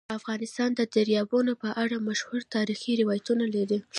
افغانستان د دریابونه په اړه مشهور تاریخی روایتونه لري.